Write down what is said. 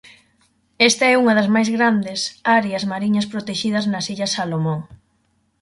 Esta é unha das máis grandes áreas mariñas protexidas nas Illas Salomón.